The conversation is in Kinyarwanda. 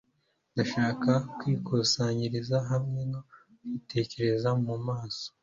Ndashaka kwikusanyiriza hamwe no gutekereza mumaso